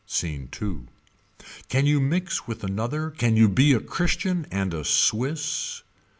Scene II. Can you mix with another Can you be a Christian and a Swiss.